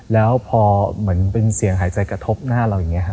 แล้วพอเหมือนเป็นเสียงหายใจกระทบหน้าเราอย่างนี้ครับ